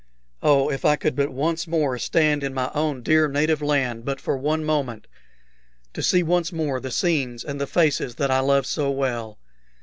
Oh, if I could but once more stand in my own dear native land but for one moment to see once more the scenes and the faces that I love so well!